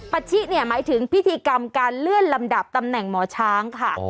ชิเนี่ยหมายถึงพิธีกรรมการเลื่อนลำดับตำแหน่งหมอช้างค่ะ